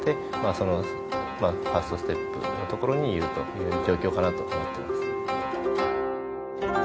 そのファーストステップのところにいるという状況かなと思ってます。